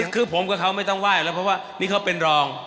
คือผมกับเขาไม่ต้องไหว้แล้วเพราะว่านี่เขาเป็นรอง